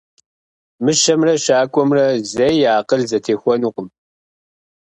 Мыщэмрэ щакӏуэмрэ зэи я акъыл зэтехуэнукъым.